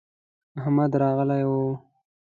احمد راغلی و.